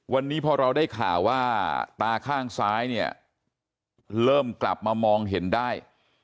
วันนี้พอเราได้ข่าวว่าตาข้างซ้ายเนี่ยเริ่มกลับมามองเห็นได้